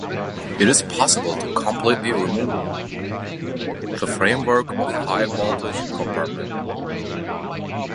It is possible to completely remove the framework of high voltage compartment.